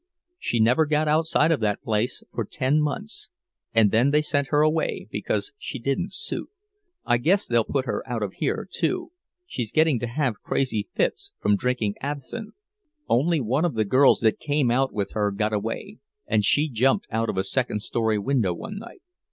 She never got outside of that place for ten months, and then they sent her away, because she didn't suit. I guess they'll put her out of here, too—she's getting to have crazy fits, from drinking absinthe. Only one of the girls that came out with her got away, and she jumped out of a second story window one night.